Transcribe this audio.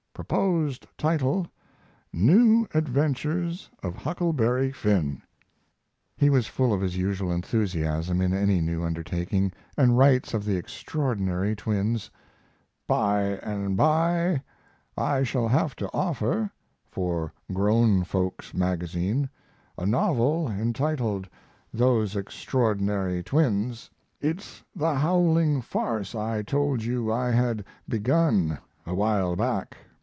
Proposed title New Adventures of Huckleberry Finn. He was full of his usual enthusiasm in any new undertaking, and writes of the Extraordinary Twins: By and by I shall have to offer (for grown folks' magazine) a novel entitled, 'Those Extraordinary Twins'. It's the howling farce I told you I had begun awhile back.